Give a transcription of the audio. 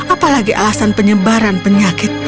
apalagi alasan penyebaran penyakit